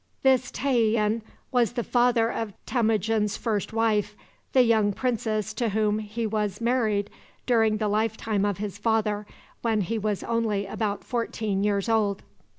This Tayian was the father of Temujin's first wife, the young princess to whom he was married during the lifetime of his father, when he was only about fourteen years old.